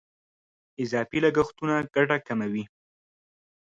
اضافي لګښتونه ګټه کموي.